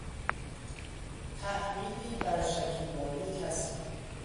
تحمیلی برشکیبایی کسی